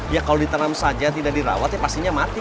ya kalau ditanam saja tidak dirawat ya pastinya mati